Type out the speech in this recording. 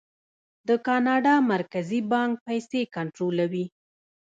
د کاناډا مرکزي بانک پیسې کنټرولوي.